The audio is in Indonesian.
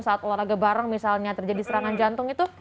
saat olahraga bareng misalnya terjadi serangan jantung itu